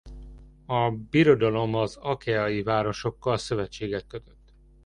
A Birodalom az Achaea-i városokkal szövetséget kötött.